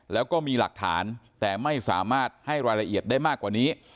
แล้วก็มีหลักฐานแต่ไม่สามารถให้รายละเอียดได้มากกว่านี้